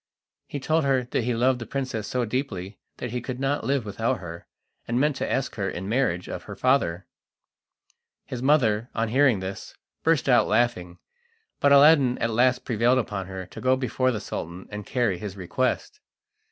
He told her he loved the princess so deeply that he could not live without her, and meant to ask her in marriage of her father. His mother, on hearing this, burst out laughing, but Aladdin at last prevailed upon her to go before the Sultan and carry his request.